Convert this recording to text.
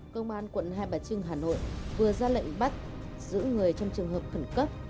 công an quận hai bà trưng hà nội vừa ra lệnh bắt giữ người trong trường hợp khẩn cấp